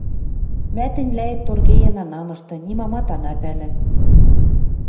Мӓ тӹньлӓэт торгеен ана мышты, нимамат ана пӓлӹ...